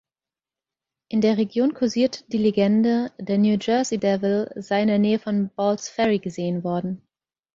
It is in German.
In der Region kursiert die Legende, der New Jersey Devil sei in der Nähe von Ball‘s Ferry gesehen worden.